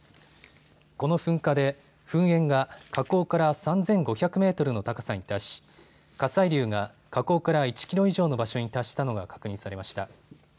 この噴火で噴煙が火口から３５００メートルの高さに達し火砕流が火口から１キロ以上の場所に達したのが確認されました。